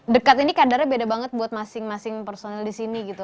dekat ini kadarnya beda banget buat masing masing personel di sini gitu